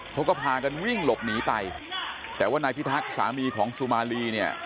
เขาก็พากันวิ่งหลบหนีไปแต่ว่านายพิทักษ์สามีของสุมารีเนี่ย